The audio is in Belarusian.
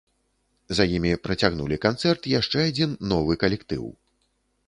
За імі працягнулі канцэрт яшчэ адзін новы калектыў.